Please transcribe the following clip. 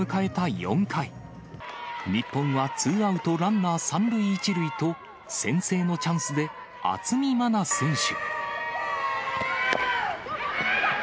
４回、日本はツーアウトランナー１塁と、先制のチャンスで、渥美万奈選手。